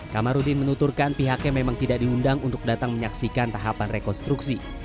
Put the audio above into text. kamarudin menuturkan pihaknya memang tidak diundang untuk datang menyaksikan tahapan rekonstruksi